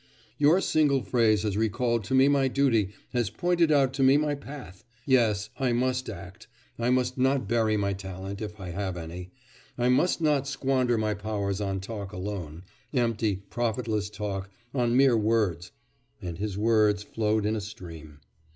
'Your single phrase has recalled to me my duty, has pointed out to me my path.... Yes, I must act. I must not bury my talent, if I have any; I must not squander my powers on talk alone empty, profitless talk on mere words,' and his words flowed in a stream.